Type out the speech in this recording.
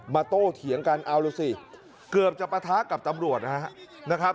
โต้เถียงกันเอาดูสิเกือบจะปะทะกับตำรวจนะครับ